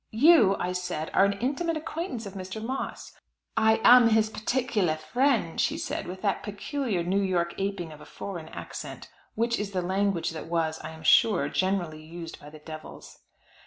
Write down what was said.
"You," I said, "are an intimate acquaintance of Mr. Moss." "I am his particular friend," she said, with that peculiar New York aping of a foreign accent, which is the language that was, I am sure, generally used by the devils.